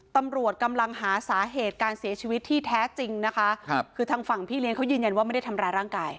ตำรวจกำลังหาสาเหตุการเสียชีวิตที่แท้จริงนะคะครับคือทางฝั่งพี่เลี้ยงเขายืนยันว่าไม่ได้ทำร้ายร่างกาย